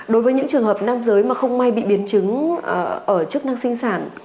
đối với những trường hợp nam giới mà không may bị biến chứng ở chức năng sinh sản